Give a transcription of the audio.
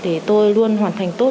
để tôi luôn hoàn thành tốt